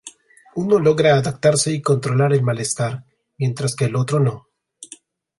Uno logra adaptarse y controlar el malestar, mientras que el otro no.